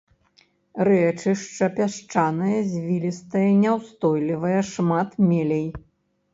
Рэчышча пясчанае, звілістае, няўстойлівае, шмат мелей.